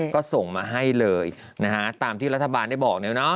ก็ส่งมาให้เลยตามที่รัฐบาลได้บอกแล้วนะ